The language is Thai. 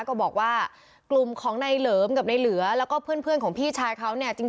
ก็บอกว่ากลุ่มของนายเหลิมกับในเหลือแล้วก็เพื่อนของพี่ชายเขาเนี่ยจริง